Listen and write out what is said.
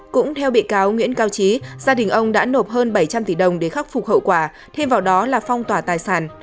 cũng theo bị cáo nguyễn cao trí gia đình ông đã nộp hơn bảy trăm linh tỷ đồng để khắc phục hậu quả thêm vào đó là phong tỏa tài sản